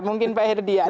mungkin pak hedian